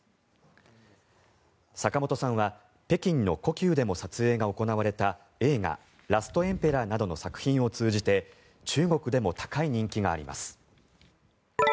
坂本さんは北京の故宮でも撮影が行われた映画「ラストエンペラー」などの作品を通じて中国でも高い人気があります。